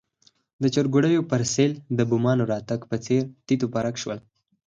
د چرګوړیو پر سېل د بومانو راتګ په څېر تیت و پرک شول.